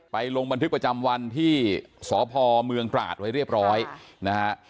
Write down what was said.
ลงบันทึกประจำวันที่สพเมืองตราดไว้เรียบร้อยนะฮะ